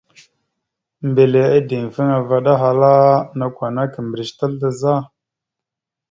Mbile ideŋfaŋa vaɗ ahala: « Nakw ana kimbirec tal daa za? ».